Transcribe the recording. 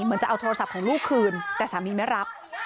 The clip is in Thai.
เหมือนจะเอาโทรศัพท์ของลูกคืนแต่สามีไม่รับ